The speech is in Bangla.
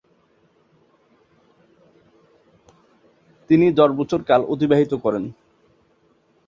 তিনি দশ বছরকাল অতিবাহিত করেন।